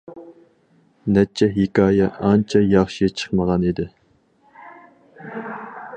نەچچە ھېكايە ئانچە ياخشى چىقمىغان ئىدى.